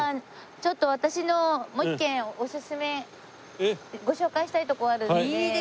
ちょっと私のもう一軒オススメご紹介したいとこあるので。